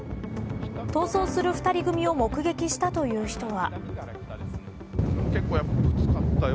逃走する２人組を目撃したという人は。